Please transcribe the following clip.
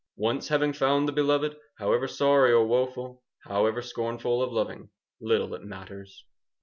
Once having found the beloved, However sorry or woeful, However scornful of loving, 15 Little it matters.